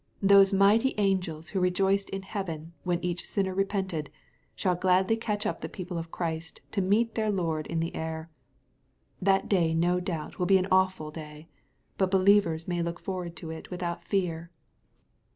Those mighty angels who rejoiced in heaven when each sinner repented, shall gladly catch up the people of Christ to meet their Lord in the air. That day no doubt will be an awful day, but believers may look forward to it without fear.